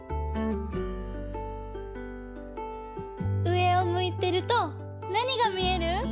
うえをむいてるとなにがみえる？